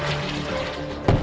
saya benar saya benar